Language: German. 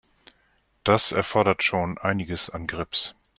Das erfordert schon einiges an Grips.